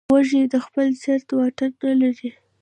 وزې د خپل چرته واټن نه لري